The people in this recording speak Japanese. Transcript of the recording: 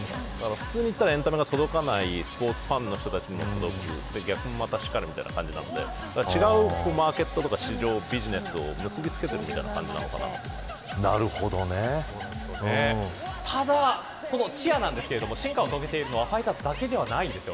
普通だったらエンタメが届かないスポーツファンの人たちにも逆もまた然りみたいな感じなので違うマーケットとか市場ビジネスを結び付けているただ、このチアですが進化を遂げているのはファイターズだけではないんです。